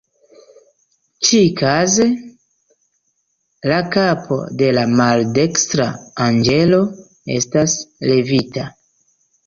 Ĉi-kaze, la kapo de la maldekstra anĝelo estas levita.